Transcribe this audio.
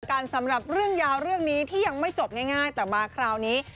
สำหรับเรื่องยาวเรื่องนี้ที่ยังไม่จบง่ายแต่มาคราวนี้